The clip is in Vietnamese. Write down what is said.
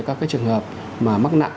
các cái trường hợp mà mắc nặng